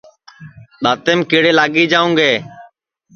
دؔتیم کیڑے لاگی جاوں گے